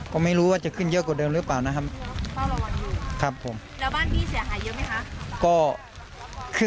ผมไม่รู้ว่าจะขึ้นเยอะกว่าเดิมหรือเปล่านะครับเฝ้าระวังอยู่ครับผมแล้วบ้านพี่เสียหายเยอะไหมคะ